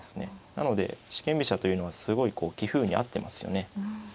なので四間飛車というのはすごい棋風に合ってますよね